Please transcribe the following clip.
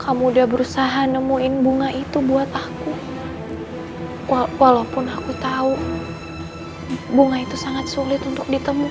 kamu udah berusaha nemuin bunga itu buat aku walaupun aku tahu bunga itu sangat sulit untuk ditemukan